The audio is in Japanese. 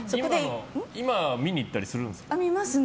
今も見に行ったりするんですか。